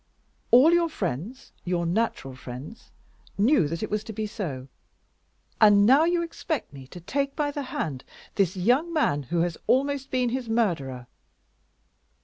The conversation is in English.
"All your friends, your natural friends, knew that it was to be so. And now you expect me to take by the hand this young man who has almost been his murderer!"